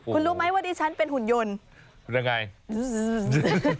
เป็นทรานฟอร์เมอร์แปลงร่างค่ะ